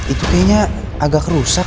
itu kayaknya agak rusak